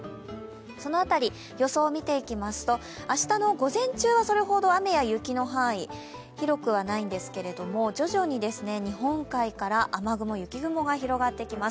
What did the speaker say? その辺り、予想を見ていきますと、明日の午前中はそれほど雨や雪の範囲、広くはないんですけど徐々に日本海から雨雲、雪雲が広がってきます。